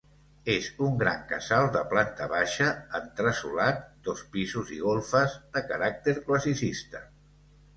És un gran casal de planta baixa, entresolat, dos pisos i golfes, de caràcter classicista.